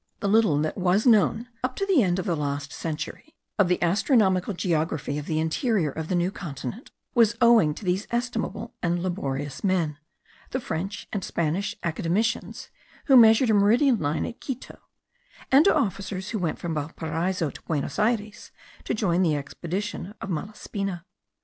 The little that was known, up to the end of the last century, of the astronomical geography of the interior of the New Continent, was owing to these estimable and laborious men, the French and Spanish academicians, who measured a meridian line at Quito, and to officers who went from Valparaiso to Buenos Ayres to join the expedition of Malaspina.